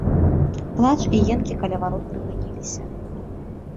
Плач і енкі каля варот прыпыніліся.